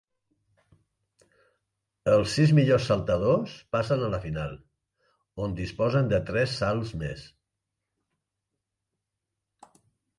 Els sis millors saltadors passen a la final, on disposen de tres salts més.